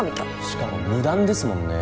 しかも無断ですもんね。